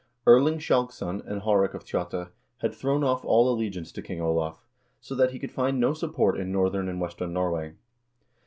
Erling Skjalgsson and Haarek of Tjotta had thrown off all allegiance to King Olav, so that he could find no support in northern and western Norway.